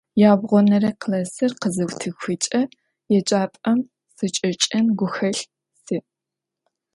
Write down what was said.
Ябгъонэрэ классыр къызытыухыкӀэ еджапӀэм сычӀэкӀын гухэлъ сиӀ.